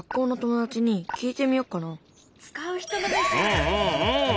うんうんうん。